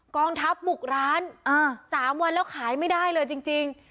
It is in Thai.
กองทัพบุกร้าน๓วันแล้วขายไม่ได้เลยจริง